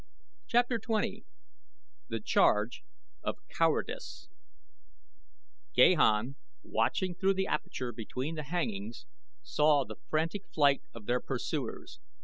CHAPTER XX THE CHARGE OF COWARDICE Gahan, watching through the aperture between the hangings, saw the frantic flight of their pursuers.